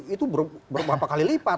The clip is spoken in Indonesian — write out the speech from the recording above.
itu berapa kali lipat